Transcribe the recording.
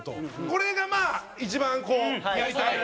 これが、まあ、一番やりたい。